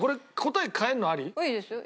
いいですよ。